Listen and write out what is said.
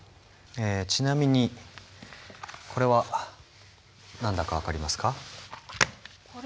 ちなみにこれは何だか分かりますか？